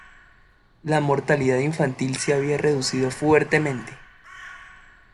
La mortalidad infantil se había reducido fuertemente.